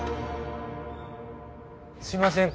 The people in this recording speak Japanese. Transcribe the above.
すいません。